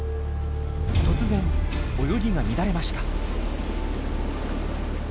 突然泳ぎが乱れました。